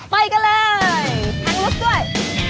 ไปกันเลยทั้งรถด้วย